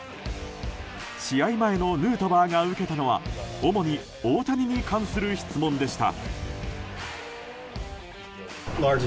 試合前のヌートバーが受けたのは主に大谷に関する質問でした。